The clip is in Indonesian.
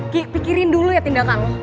ki pikirin dulu ya tindakan